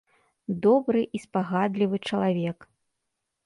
Добры і спагадлівы чалавек.